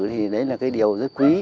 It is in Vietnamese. thì đấy là điều rất quý